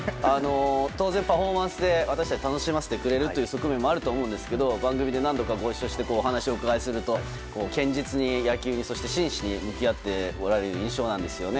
当然パフォーマンスで私たちを楽しませてくれるという側面もあるとは思いますが番組で何度もご一緒してお話を伺いすると堅実に野球に真摯に向き合っておられる印象なんですよね。